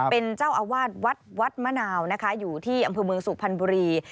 เป็นเจ้าอาวาสวัดวัดมะนาวนะคะอยู่ที่อำเภอเมืองสุพรรณบุรี